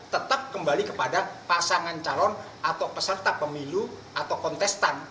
tetap kembali kepada pasangan calon atau peserta pemilu atau kontestan